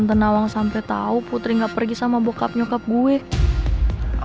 buat apa adolescent ini bisa bekerja jam awal